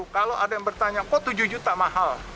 kalau ada yang bertanya kok tujuh juta mahal